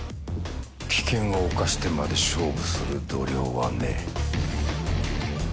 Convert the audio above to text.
危険を冒してまで勝負する度量はねえ